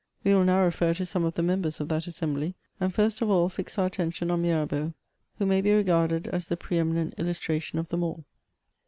We will now refer to some of the members of that assembly, and first of all fix our attention on Mirabeau, who may be regarded as the pre eminent illustration of them all.